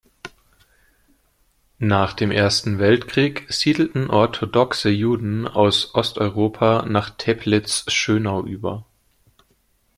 Nach dem Ersten Weltkrieg siedelten orthodoxe Juden aus Osteuropa nach Teplitz-Schönau über.